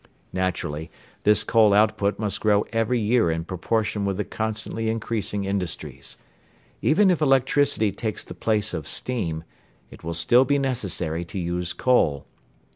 Naturally, this coal output must grow every year in proportion with the constantly increasing industries. Even if electricity takes the place of steam, it will still be necessary to use coal.